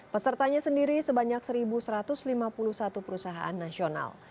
pesertanya sendiri sebanyak satu satu ratus lima puluh satu perusahaan nasional